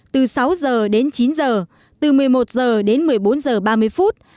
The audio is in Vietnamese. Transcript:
từ sáu giờ đến chín giờ từ một mươi một giờ đến một mươi bốn giờ ba mươi phút